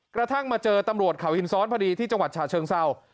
กระทั่งมาเจอกลับจากจังหวัดเชิงเศร้าตำรวจข่าวหินซ้อน